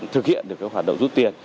thực hiện được cái hoạt động giúp tiền